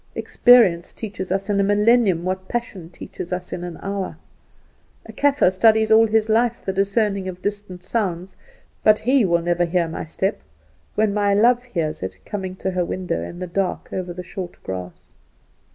Experience teaches us in a millennium what passion teaches us in an hour. A Kaffer studies all his life the discerning of distant sounds; but he will never hear my step, when my love hears it, coming to her window in the dark over the short grass.